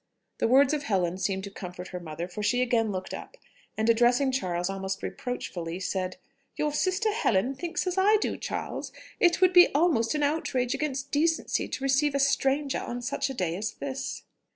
The words of Helen seemed to comfort her mother, for she again looked up, and addressing Charles, almost reproachfully, said, "Your sister Helen thinks as I do, Charles: it would almost be an outrage against decency to receive a stranger on such a day as this."